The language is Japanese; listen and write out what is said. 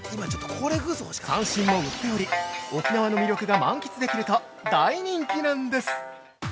三線も売っており、沖縄の魅力が満喫できると大人気なんです！